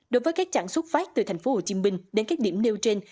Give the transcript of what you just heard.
đối với các chặng xuất phát từ thành phố hồ chí minh đến các điểm nêu trên